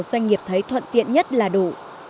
doanh nghiệp thấy thuận tiện nhất là đủ